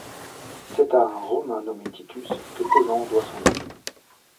C'est à un romain nommé Titus que Thézan doit son nom.